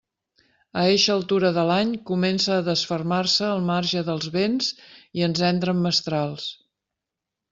A eixa altura de l'any comença a desfermar-se el marge dels vents i ens entren mestrals.